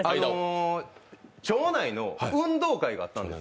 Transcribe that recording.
町内の運動会があったんです。